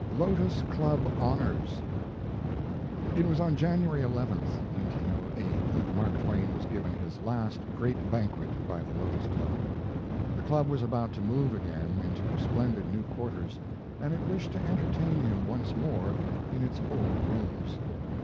LOTOS CLUB HONORS It was on January 11, 1908, that Mark Twain was given his last great banquet by the Lotos Club. The club was about to move again, into splendid new quarters, and it wished to entertain him once more in its old rooms.